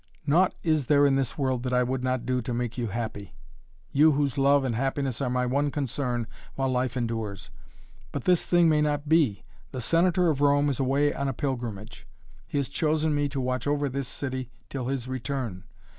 Naught is there in this world that I would not do to make you happy you, whose love and happiness are my one concern while life endures. But this thing may not be. The Senator of Rome is away on a pilgrimage. He has chosen me to watch over this city till his return.